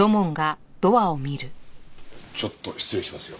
ちょっと失礼しますよ。